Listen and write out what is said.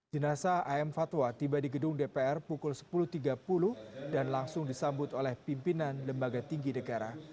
jenasa am fatwa tiba di gedung dpr pukul sepuluh tiga puluh dan langsung disambut oleh pimpinan lembaga tinggi negara